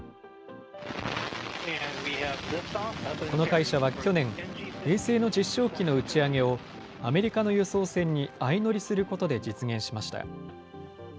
この会社は去年、衛星の実証機の打ち上げをアメリカの輸送船に相乗りすることで実現しました。